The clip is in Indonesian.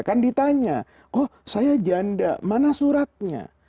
kan ditanya oh saya janda mana suratnya